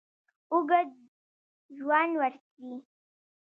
اوږد ژوند ورکړي.